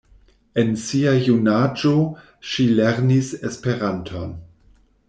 En sia junaĝo ŝi lernis Esperanton.